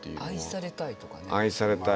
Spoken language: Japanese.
愛されたいとかね。